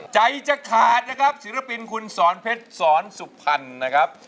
ใจจะขาดนะครับศิลปินคุณสอนเพชรสอนสุพรรณนะครับ